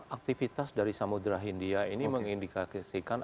aktivitas dari samudera hindia ini mengindikasikan